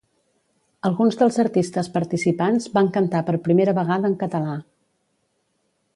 Alguns dels artistes participants van cantar per primera vegada en català.